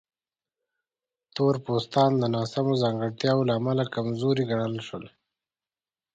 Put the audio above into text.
تور پوستان د ناسمو ځانګړتیاوو له امله کمزوري ګڼل شول.